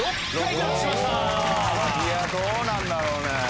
いやどうなんだろうね？